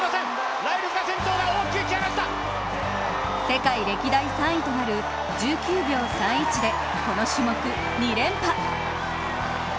世界歴代３位となる１９秒３１でこの種目２連覇。